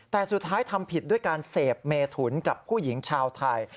แต่สุดท้ายทำผิดด้วยการเสพเมถุนกับผู้หญิงชาวไทย